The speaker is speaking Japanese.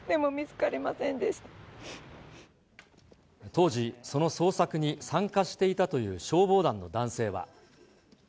当時、その捜索に参加していたという消防団の男性は。